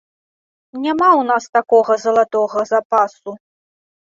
Няма ў нас такога залатога запасу.